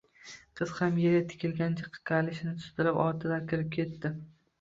Qiz ham yerga tikilgancha, kalishini sudrab ortidan kirib ketdi